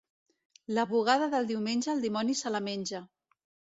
La bugada del diumenge el dimoni se la menja.